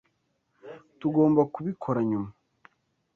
Tugomba kubikora nyuma.